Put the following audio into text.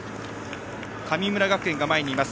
神村学園が前にいます。